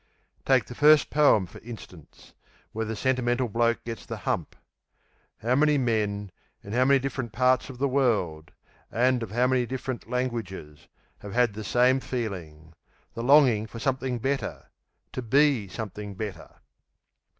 Take the first poem for instance, where the Sentimental Bloke gets the hump. How many men, in how many different parts of the world and of how many different languages have had the same feeling the longing for something better to be something better?